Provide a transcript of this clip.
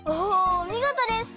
おみごとです！